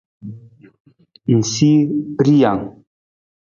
Ng sii rijang.